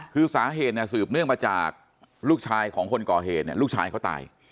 คือสาเหตุเนี่ยสืบเนื่องมาจากลูกชายของคนก่อเหตุเนี่ยลูกชายเขาตาย